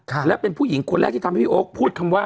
ต้นจริงคนดีกว่าพี่โอ๊คพูดคำว่า